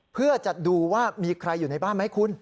เพื่อจะดูว่ามีใครอยู่ในบ้านไหมคุณ